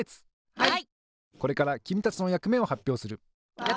はい！